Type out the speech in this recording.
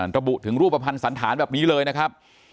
ระบุถึงรูปภัณฑ์สันธารแบบนี้เลยนะครับ